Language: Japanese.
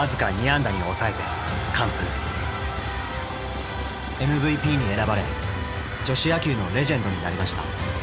ＭＶＰに選ばれ女子野球のレジェンドになりました。